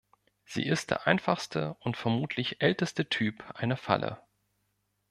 Sie ist der einfachste und vermutlich älteste Typ einer Falle.